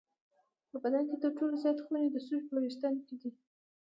په بدن کې تر ټولو زیات خونې د سږو په وېښتانو کې دي.